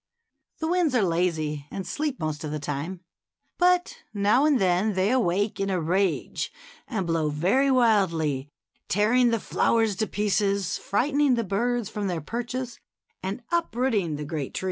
The winds are lazy, and sleep most of the time ; but now and then they awake in a rage and blow very wildly, tearing the flowers to pieces, frightening the birds from their perches, and uprooting the great trees.